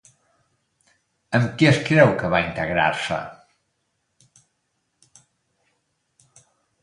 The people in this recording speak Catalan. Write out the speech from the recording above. Amb qui es creu que va integrar-se?